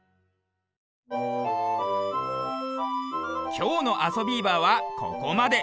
きょうの「あそビーバー」はここまで。